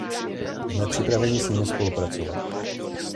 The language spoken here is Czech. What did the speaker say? Jsme připraveni s nimi spolupracovat.